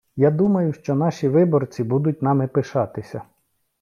Я думаю, що наші виборці будуть нами пишатися.